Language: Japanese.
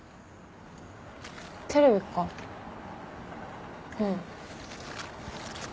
テレビかうん。